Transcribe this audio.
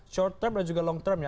short term dan juga long term ya